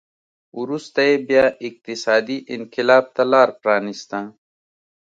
وروسته یې بیا اقتصادي انقلاب ته لار پرانېسته